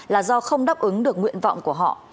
là do không đáp ứng được nguyện vọng của họ